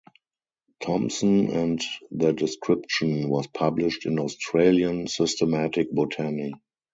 Thompson and the description was published in "Australian Systematic Botany".